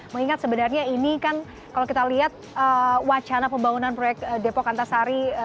mengingat sebenarnya ini kan kalau kita lihat wacana pembangunan proyek depok antasari